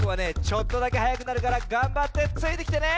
ちょっとだけはやくなるからがんばってついてきてね。